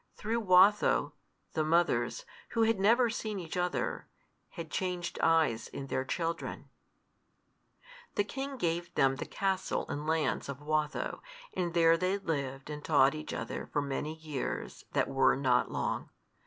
Through Watho, the mothers, who had never seen each other, had changed eyes in their children. The king gave them the castle and lands of Watho, and there they lived and taught each other for many years that were not long.